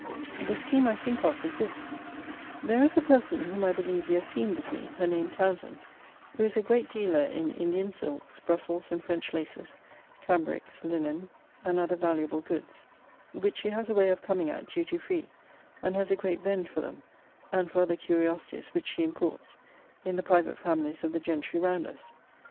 The scheme I think of is this: There is a person, whom I believe you have seen with me, her name Townsend, who is a great dealer in Indian silks, Brussels and French laces, cambricks, linen, and other valuable goods; which she has a way of coming at duty free; and has a great vend for them (and for other curiosities which she imports) in the private families of the gentry round us.